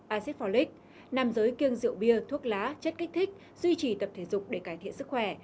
acid folic nam giới kiêng rượu bia thuốc lá chất kích thích duy trì tập thể dục để cải thiện sức khỏe